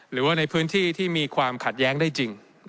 หรือว่าในพื้นที่ที่มีความขัดแย้งได้จริง